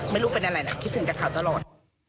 ไม่รู้เป็นอะไรนะคิดถึงกับเขาตลอด